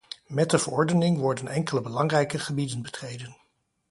Met de verordening worden enkele belangrijke gebieden betreden.